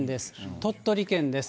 鳥取県です。